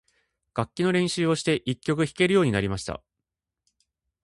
楽器の練習をして、一曲弾けるようになりました。